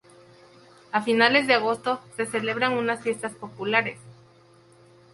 A finales de agosto se celebran unas fiestas populares.